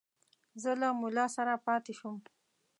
زه له مُلا سره پاته شوم.